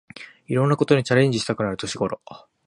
いろんなことにチャレンジしたくなる年ごろ